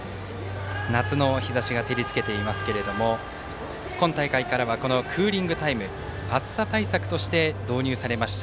夏の日ざしが照りつけていますけど今大会からはこのクーリングタイム暑さ対策として導入されました。